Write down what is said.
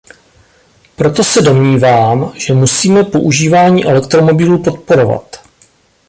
Proto se domnívám, že musíme používání elektromobilů podporovat.